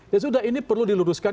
ya sudah ini perlu diluruskan